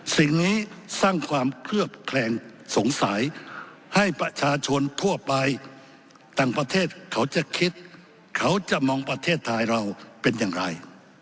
สิ่งนี้สร้างความเคลือบแคลงสงสัยให้ประชาชนทั่วไปต่างประเทศเขาจะคิดเขาจะมองประเทศไทยเราเป็นอย่างไร